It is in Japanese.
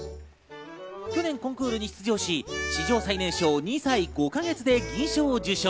去年、コンクールに出場し史上最年少、２歳５か月で銀賞を受賞。